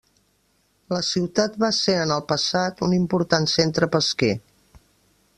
La ciutat va ser en el passat un important centre pesquer.